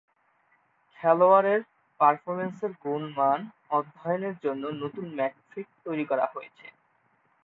খেলোয়াড়ের পারফরম্যান্সের গুণমান অধ্যয়নের জন্য নতুন মেট্রিক তৈরি করা হয়েছে।